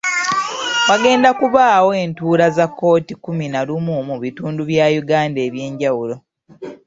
Wagenda kubaawo entuula za kkooti kkumi na lumu mu bitundu bya Uganda eby'enjawulo.